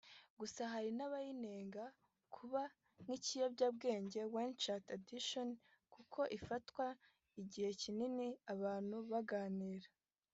Gusa hari n’abayinenga kuba nk’ikiyobyabwenge ‘WeChat addiction’ kuko ifata igihe kinini abantu baganira